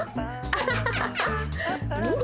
アハハハハ！